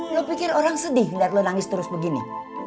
lo pikir orang sedih liat lo nangis terus begini